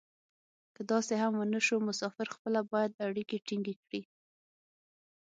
که داسې هم و نه شو مسافر خپله باید اړیکې ټینګې کړي.